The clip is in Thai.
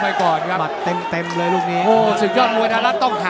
ไม่ไหวโดนจริง